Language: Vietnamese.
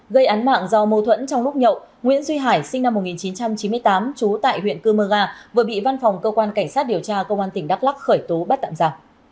gây án mạng do mâu thuẫn trong lúc nhậu nguyễn duy hải sinh năm một nghìn chín trăm chín mươi tám trú tại huyện cơ mơ ga vừa bị văn phòng cơ quan cảnh sát điều tra công an tỉnh đắk lắc khởi tố bắt tạm giả